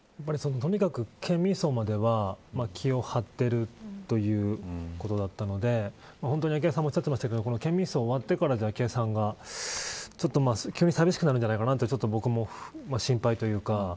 とにかく県民葬までは気を張ってるということだったので本当に昭恵さんもおっしゃってましたけど県民葬が終わってから昭恵さんが急に寂しくなるんじゃないかと僕も心配というか。